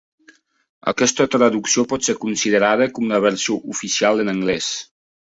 Aquesta traducció pot ser considerada com la versió "oficial" en anglès.